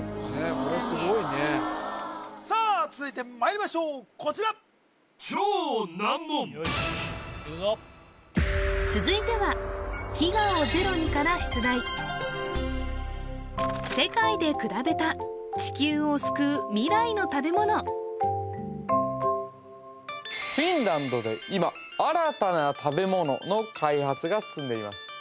これすごいねさあ続いてまいりましょうこちらよしいくぞ続いては「飢餓をゼロに」から出題世界でくらべたフィンランドで今新たな食べ物の開発が進んでいます